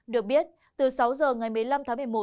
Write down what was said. được biết từ sáu giờ ngày một mươi năm tháng một mươi một